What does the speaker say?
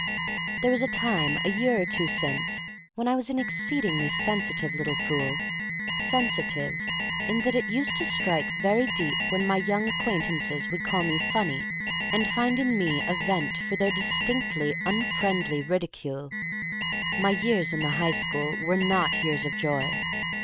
There was a time, a year or two since, when I was an exceedingly sensitive little fool — sensitive in that it used to strike very deep when my young ac quaintances would call me funny and find in me a vent for their distinctly un friendly ridicule. My years in the high school were not years of joy.